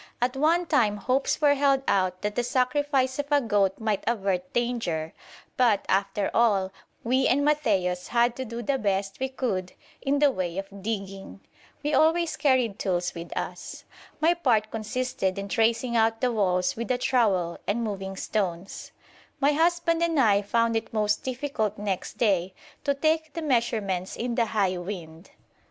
At one time hopes were held out that the sacrifice of a goat might avert danger, but, after all, we and Matthaios had to do the best we could in the way of digging. We always carried tools with us. My part consisted in tracing out the walls with the trowel and moving stones. My husband and I found it most difficult next day to take the measurements in the high wind.